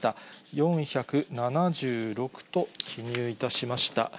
４７６と記入いたしました。